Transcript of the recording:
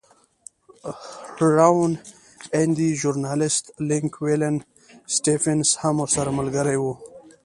روڼ اندی ژورنالېست لینک ولن سټېفنس هم ورسره ملګری و.